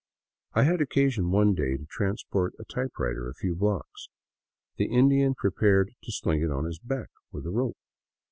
I had occasion one day to transport a type writer a few blocks. The Indian prepared to sling it on his back with a rope.